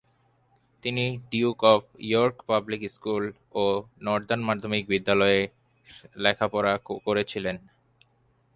তিনি Duke of York public school ও northern মাধ্যমিক বিদ্যালয়ের লেখাপড়া করেছিলেন।